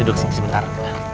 duduk sini sebentar